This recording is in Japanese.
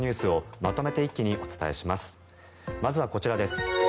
まずはこちらです。